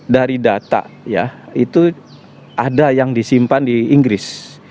dari data ya itu ada yang disimpan di inggris